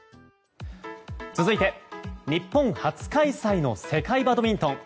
続いて、日本初開催の世界バドミントン。